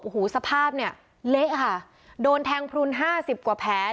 โอ้โหสภาพเนี่ยเละค่ะโดนแทงพลุนห้าสิบกว่าแผล